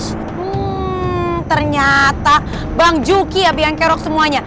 hmm ternyata bang joki yang biang kerok semuanya